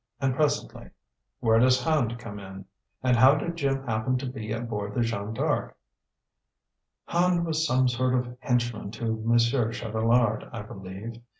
And presently, "Where does Hand come in? And how did Jim happen to be aboard the Jeanne D'Arc?" "Hand was some sort of henchman to Monsieur Chatelard, I believe.